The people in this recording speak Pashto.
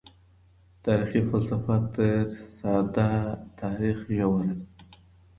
تاريخي فلسفه تر ساده تاريخ ژوره ده.